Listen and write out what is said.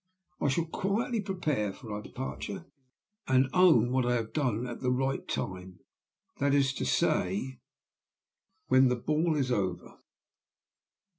I shall quietly prepare for our departure, and own what I have done at the right time that is to say, when the ball is over."